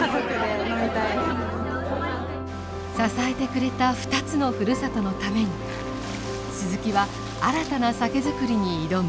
支えてくれた二つのふるさとのために鈴木は新たな酒造りに挑む。